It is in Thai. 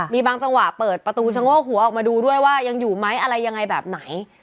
มีบางจังหวะเปิดประตูชะโงกหัวออกมาดูด้วยว่ายังอยู่ไหมอะไรยังไงแบบไหน